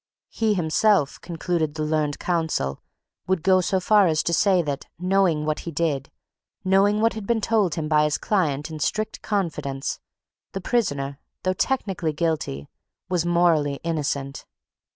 He himself, concluded the learned counsel, would go so far as to say that, knowing what he did, knowing what had been told him by his client in strict confidence, the prisoner, though technically guilty, was morally innocent.